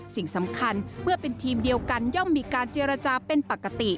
สิ่งสำคัญเมื่อเป็นทีมเดียวกันย่อมมีการเจรจาเป็นปกติ